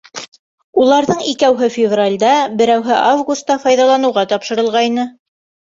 Уларҙың икәүһе февралдә, берәүһе августа файҙаланыуға тапшырылғайны.